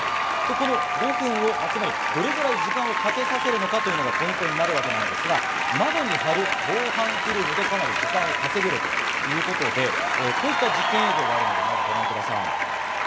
５分を、つまりどれくらい時間をかけさせるのかというのがポイントになりますが、窓に貼る防犯フィルムでかなり時間を稼げるということで、こういった実験映像がありますので、ご覧ください。